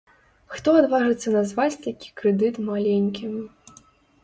Хто адважыцца назваць такі крэдыт маленькім?